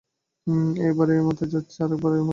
এক বার এ-মাথায় যাচ্ছে, আরেক বার ও-মাথায়।